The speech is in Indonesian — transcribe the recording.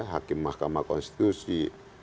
hakim mahkamah konstitusi